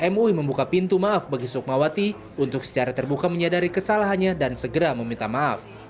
mui membuka pintu maaf bagi sukmawati untuk secara terbuka menyadari kesalahannya dan segera meminta maaf